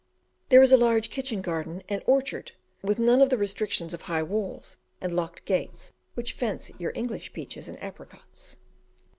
There is a large kitchen garden and orchard, with none of the restrictions of high walls and locked gates which fence your English peaches and apricots.